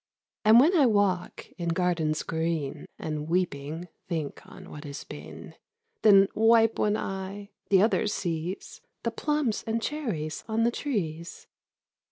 And when I walk in gardens green And, weeping, think on what has been — Then wipe one eye, — the other sees The plums and cherries on the trees.